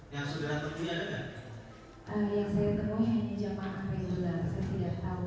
yang saudara temunya ada gak